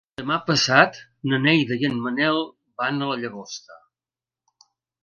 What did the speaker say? Demà passat na Neida i en Manel van a la Llagosta.